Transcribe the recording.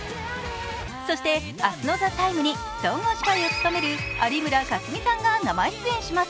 そして明日の「ＴＨＥＴＩＭＥ，」に総合司会を努める有村架純さんが生出演します。